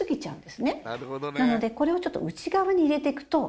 なのでこれをちょっと内側に入れていくと。